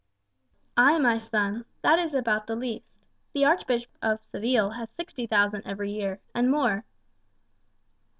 "Ay, my son, that is about the least. The Archbishop of Seville has sixty thousand every year, and more."